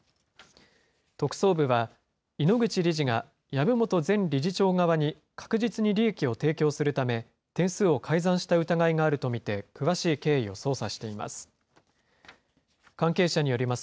特捜部は、井ノ口理事が籔本前理事長側に確実に利益を提供するため、点数を改ざんした疑いがあると見て詳しい経緯を捜査しています。